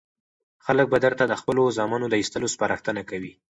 خلک به درته د خپلو زامنو د ایستلو سپارښتنه کوي.